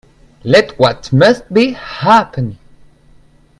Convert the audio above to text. Let what must be, happen.